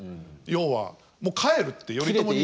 要はもう帰るって頼朝に。